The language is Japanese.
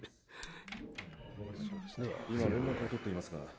・今連絡を取っていますが・あ！？